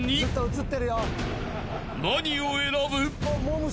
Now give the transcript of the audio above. ［何を選ぶ？］